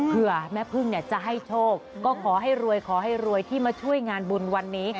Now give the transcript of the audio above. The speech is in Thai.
เพื่อแม่พึ่งจะให้โชคก็ขอให้รวยขอให้รวยที่มาช่วยงานบุญวันนี้